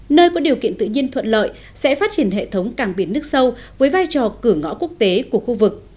nơi có điều kiện tự nhiên thuận lợi sẽ phát triển hệ thống cảng biển nước sâu với vai trò cửa ngõ quốc tế của khu vực